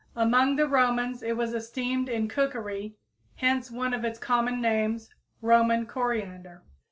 Among the Romans it was esteemed in cookery, hence one of its common names, Roman coriander.